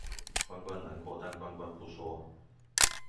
關關難過，但關關不說